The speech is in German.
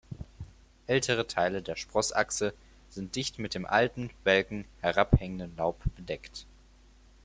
Ältere Teile der Sprossachse sind dicht mit dem alten, welken, herabhängenden Laub bedeckt.